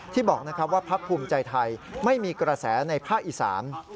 ที่บอกว่าพักภูมิใจไทยไม่มีกระแสในภาคอีสาน